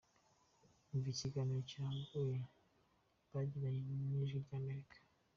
Umva ikiganiro kirambuye bagiranye n’Ijwi ry’Amerika:.